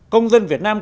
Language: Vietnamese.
một công dân việt nam